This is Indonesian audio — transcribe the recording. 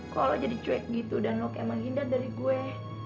kok lo jadi cuek gitu dan lok emang hindar dari gue